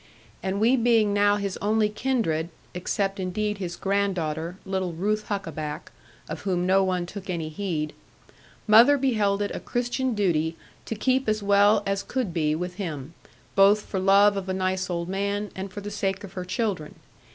And we being now his only kindred (except indeed his granddaughter, little Ruth Huckaback, of whom no one took any heed), mother beheld it a Christian duty to keep as well as could be with him, both for love of a nice old man, and for the sake of her children.